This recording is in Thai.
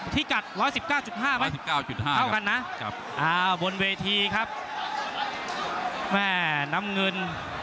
ที่กัด๑๑๙๕ไหม๑๙๕เท่ากันนะบนเวทีครับแม่น้ำเงิน